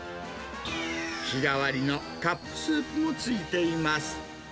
日替わりのカップスープもついています。